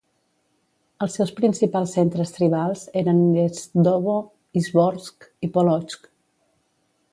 Els seus principals centres tribals eren Gnezdovo, Izborsk i Polotsk.